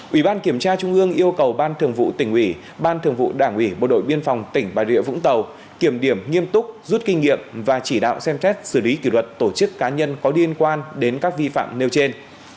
ủy ban kiểm tra trung ương yêu cầu ban thường vụ tỉnh ủy ban thường vụ đảng ủy bộ đội biên phòng tỉnh bà rịa vũng tàu kiểm điểm nghiêm túc rút kinh nghiệm và chỉ đạo xem xét xử lý kỷ luật tổ chức cá nhân có liên quan đến các vi phạm nêu trên